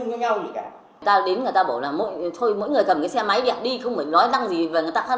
gì cả ta đến người ta bảo là mỗi người cầm cái xe máy đi không phải nói năng gì và người ta khác